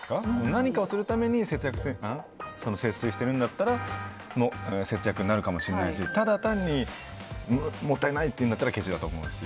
何かをするために節水してるんだったら節約になるかもしれないしただ単にもったいないっていうならけちだと思うし。